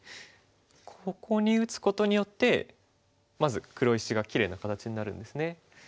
ここに打つことによってまず黒石がきれいな形になるんですね。